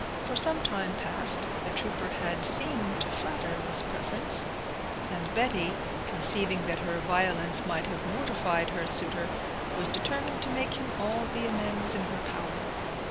For some time past the trooper had seemed to flatter this preference; and Betty, conceiving that her violence might have mortified her suitor, was determined to make him all the amends in her power.